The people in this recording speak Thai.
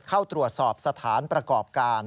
เข้าตรวจสอบสถานประกอบการ